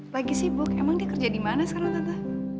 lagi sibuk emang dia kerja dimana sekarang tante